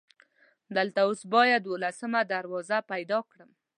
دلته اوس باید دولسمه دروازه پیدا کړم.